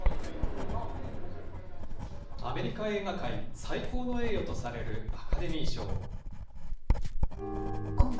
アメリカ映画界、最高の栄誉とされるアカデミー賞。